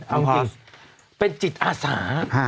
เอาจริงเป็นจิตอาสา